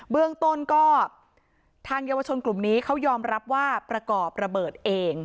เบื้องต้นก็ทางเยาวชนกลุ่มนี้เขายอมรับว่าประกอบระเบิดเอง